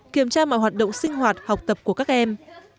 kiểm tra mọi hoạt động sinh hoạt học tập của các em